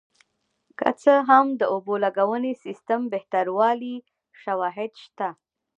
که څه هم د اوبو لګونې سیستم بهتروالی شواهد شته